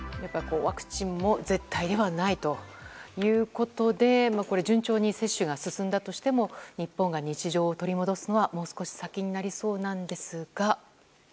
ワクチンも絶対ではないということで順調に接種が進んだとしても日本が日常を取り戻すのはもう少し先になりそうなんですが。